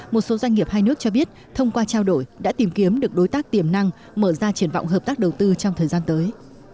một số doanh nghiệp hai nước cho biết thông qua trao đổi đã tìm kiếm được đối tác tiềm năng mở ra triển vọng hợp tác đầu tư trong thời gian tới